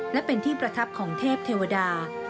และเป็นที่ประทับของเทพเทวดา